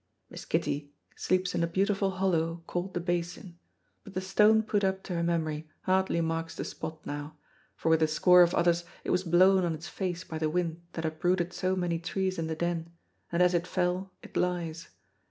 Miss Kitty sleeps in a beautiful hollow called the Basin, but the stone put up to her memory hardly marks the spot now, for with a score of others it was blown on its face by the wind that uprooted so many trees in the Den, and as it fell it lies.